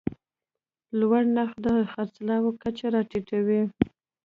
لوړ نرخ د خرڅلاو کچه راټیټوي.